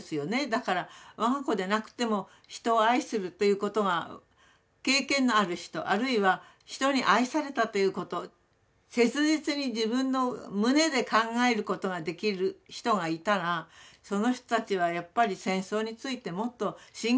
だから我が子でなくても人を愛するということが経験のある人あるいは人に愛されたということ切実に自分の胸で考えることができる人がいたらその人たちはやっぱり戦争についてもっと真剣に考えると思う。